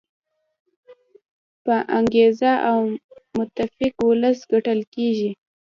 با انګیزه او متفق ولس ګټل کیږي.